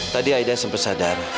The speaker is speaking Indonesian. tadi aida sempat sadar